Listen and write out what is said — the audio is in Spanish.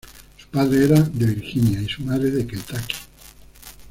Su padre era de Virginia y su madre de Kentucky.